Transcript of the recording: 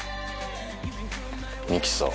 ミキサー。